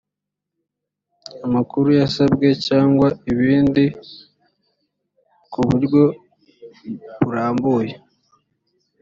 amakuru yasabwe cyangwa ibindi kuburyo burambuye